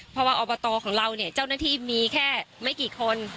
เพราะว่าอบตของเราเนี่ยเจ้าหน้าที่มีแค่ไม่กี่คน